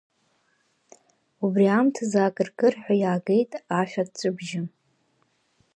Убри аамҭазы акыр-кырҳәа иаагеит ашә аҵәҵәабжьы.